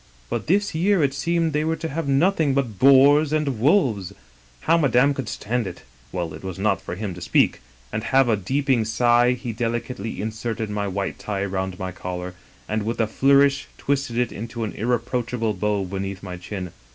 But this year it seemed they were to have nothing but boars an(t wolves. How madame could stand it — ^well, it was not for him to speak — ^and heaving a deep sigh he delicately in serted my white tie round my collar, and with a flourish • twisted it into an irreproachable bow beneath my chin.